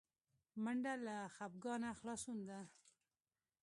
منډه له خپګانه خلاصون ده